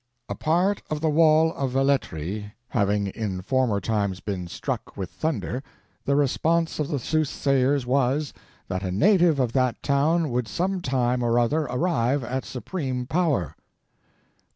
A part of the wall of Valletri having in former times been struck with thunder, the response of the soothsayers was, that a native of that town would some time or other arrive at supreme power.